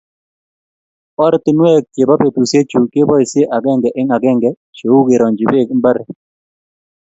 Ortinwek che bo betusiechuk keboisie agenge eng agenge che uu keronchii beek mbaree.